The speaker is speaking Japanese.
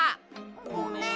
ごめん。